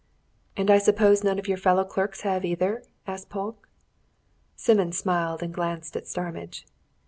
"And I suppose none of your fellow clerks have, either?" asked Polke. Simmons smiled and glanced at Starmidge.